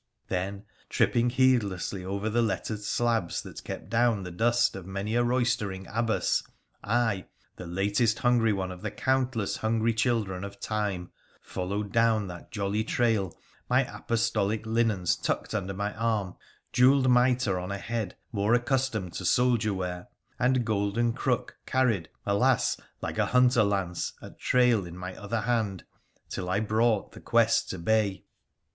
Then, tripping heedlessly over the lettered slabs that kept down the dust of many a roystering abbas, I — the latest hungry one of the countless hungry children of time — followed down that jolly trail, my apostolic linens tucked under my arm, jewelled mitre on a head more accustomed to soldier wear, and golden crook carried, alas ! like a hunter lance ' at trail ' in my other hand, till I brought the quest to bay.